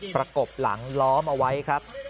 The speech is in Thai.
กบหลังล้อมเอาไว้ครับ